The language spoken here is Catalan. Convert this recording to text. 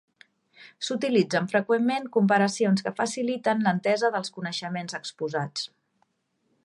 S'utilitzen freqüentment comparacions, que faciliten l'entesa dels coneixements exposats.